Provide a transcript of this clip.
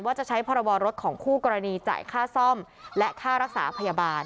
จะใช้พรบรถของคู่กรณีจ่ายค่าซ่อมและค่ารักษาพยาบาล